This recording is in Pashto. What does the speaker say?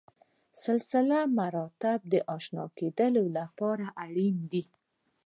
سلسله مراتب د اشنا کېدو لپاره اړینه ده.